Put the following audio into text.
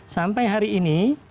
sampai hari ini